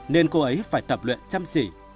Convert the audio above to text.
nên cô ấy phải tập luyện chăm sỉ